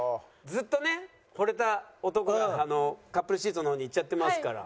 ずっとねほれた男がカップルシートの方に行っちゃってますから。